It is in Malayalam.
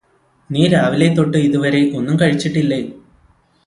നീ രാവിലെതൊട്ട് ഇതുവരെ ഒന്നും കഴിച്ചിട്ടില്ലേ